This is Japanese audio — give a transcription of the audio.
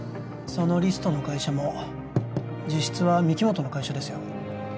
そのリストの会社も実質は御木本の会社ですよ